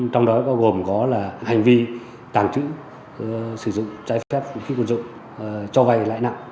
trong đó có gồm hành vi tàng trực sử dụng trái phép vũ khí quân dụng cho bay lãi nặng